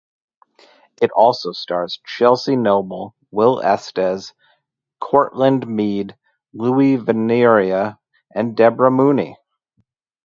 It also stars Chelsea Noble, Will Estes, Courtland Mead, Louis Vanaria, and Debra Mooney.